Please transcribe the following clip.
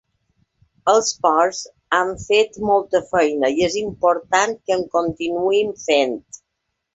Els ports han fet molta feina i és important que en continuïn fent.